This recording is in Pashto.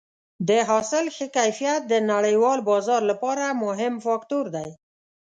د حاصل ښه کیفیت د نړیوال بازار لپاره مهم فاکتور دی.